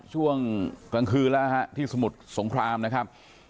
ช่วงกลางคืนแล้วฮะที่สมุทรสงครามนะครับ